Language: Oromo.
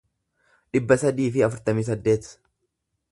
dhibba sadii fi afurtamii saddeet